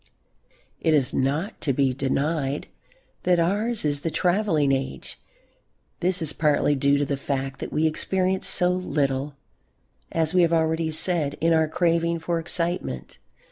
It is not to be denied that ours is the travelling age. This is partly due to the fact that we experience so little, as we have already said, in our craving for excitement.